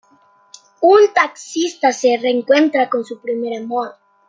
Un taxista se reencuentra con su primer amor.